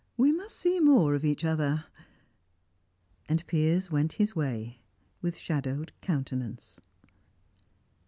We must see more of each other." And Piers went his way with shadowed countenance.